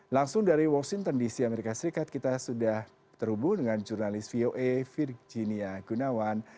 langsung dari washington dc amerika serikat kita sudah terhubung dengan jurnalis voa virginia gunawan